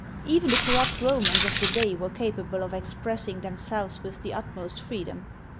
even the corrupt Romans of the day were capable of expressing themselves with the utmost freedom.